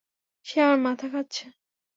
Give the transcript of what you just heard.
সে আমার মাথা খাচ্ছে।